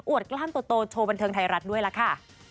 กล้ามโตโชว์บันเทิงไทยรัฐด้วยล่ะค่ะ